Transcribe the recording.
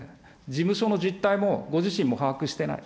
事務所の実態もご自身も把握してない。